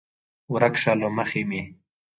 ورک شه له مخې مې!